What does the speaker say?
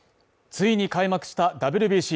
ついに開幕したＷＢＣ